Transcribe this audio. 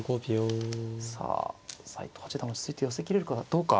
さあ斎藤八段落ち着いて寄せきれるかどうか。